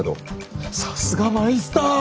さすがマイスター！